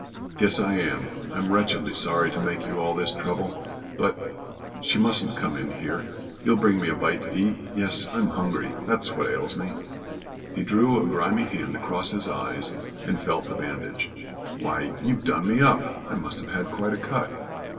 "Guess I am. I'm wretchedly sorry to make you all this trouble, but she mustn't come in here you'll bring me a bite to eat yes, I'm hungry. That's what ails me." He drew a grimy hand across his eyes and felt the bandage. "Why you've done me up! I must have had quite a cut."